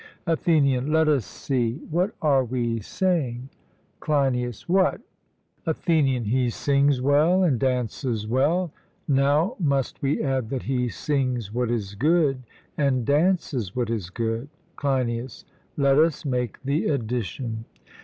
ATHENIAN: Let us see; what are we saying? CLEINIAS: What? ATHENIAN: He sings well and dances well; now must we add that he sings what is good and dances what is good? CLEINIAS: Let us make the addition.